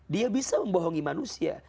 dia bisa membohongi manusia